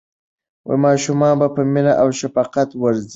ماشومان په مینه او شفقت وروځئ.